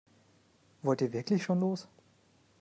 Wollt ihr wirklich schon los?